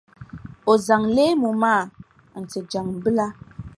O zaŋ leemu maa n-ti Jaŋʼ bila.